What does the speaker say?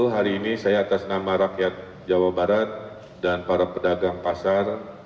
hari ini saya atas nama rakyat jawa barat dan para pedagang pasar